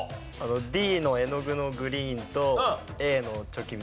Ｄの絵の具のグリーンとＡのチョキみたいなピース。